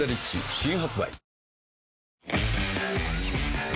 新発売